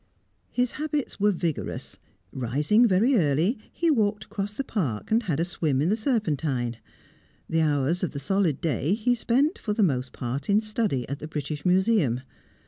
His habits were vigorous. Rising very early, he walked across the Park, and had a swim in the Serpentine. The hours of the solid day he spent, for the most part, in study at the British Museum.